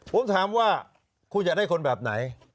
ผมถามว่าคุณอยากได้คนแบบไหน